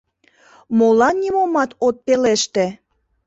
Молан нимомат от пелеште?